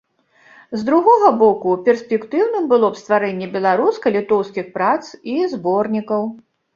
З другога боку, перспектыўным было б стварэнне беларуска-літоўскіх прац і зборнікаў.